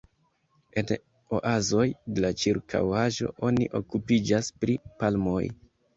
En oazoj de la ĉirkaŭaĵo oni okupiĝas pri palmoj.